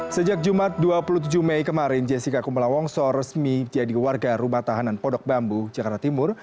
sejak jumat dua puluh tujuh mei kemarin jessica kumala wongso resmi jadi warga rumah tahanan pondok bambu jakarta timur